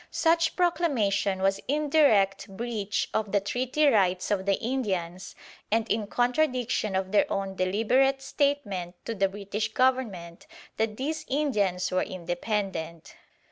Such proclamation was in direct breach of the Treaty rights of the Indians, and in contradiction of their own deliberate statement to the British Government that these Indians were independent.